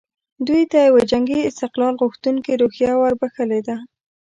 دوی ته یوه جنګي استقلال غوښتونکې روحیه وربخښلې ده.